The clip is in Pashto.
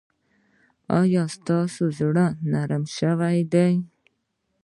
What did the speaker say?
ایا ستاسو زړه نرم شوی دی؟